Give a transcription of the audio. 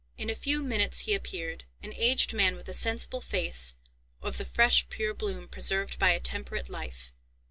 In a few minutes he appeared,—an aged man, with a sensible face, of the fresh pure bloom preserved by a temperate life.